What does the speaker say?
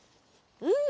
うん！